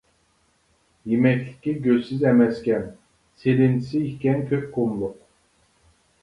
يېمەكلىكى گۆشسىز ئەمەسكەن، سېلىنچىسى ئىكەن كۆك قۇملۇق.